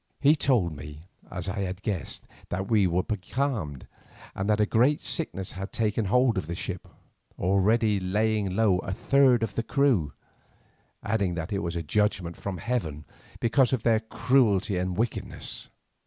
He told me, as I had guessed, that we were becalmed and that a great sickness had taken hold of the ship, already laying low a third of the crew, adding that it was a judgment from heaven because of their cruelty and wickedness.